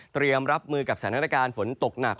เตรียมรับมือกับสถานการณ์ฝนตกหนัก